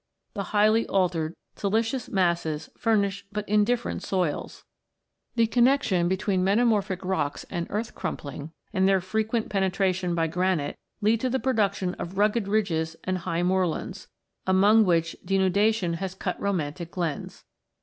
The highly altered siliceous masses furnish but indifferent soils. The connexion between metamorphic rocks and earth crumpling, and their frequent penetration by granite, lead to the production of rugged ridges and high moorlands, among which denudation has vi] METAMORPHIC ROCKS 161 cut romantic glens.